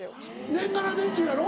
年がら年中やろ？